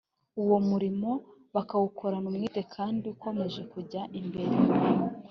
uwo murimo barawukorana umwete kandi ukomeje kujya mbere